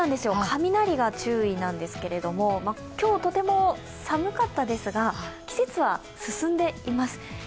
雷が注意なんですけれども、今日、とても寒かったですが、季節は進んでいます。